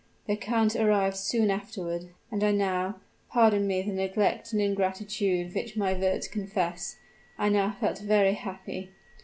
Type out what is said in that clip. The count arrived soon afterward, and I now pardon me the neglect and ingratitude which my words confess I now felt very happy.